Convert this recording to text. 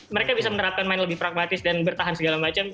mereka bisa menerapkan main lebih pragmatis dan bertahan segala macam